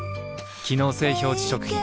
機能性表示食品